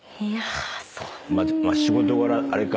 まあ仕事柄あれか。